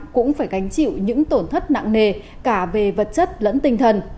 cũng phải gánh chịu những tổn thất nặng nề cả về vật chất lẫn tinh thần